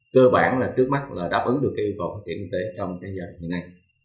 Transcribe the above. cơ bản là trước mắt là đáp ứng được yêu cầu phát triển kinh tế trong giai đoạn hiện nay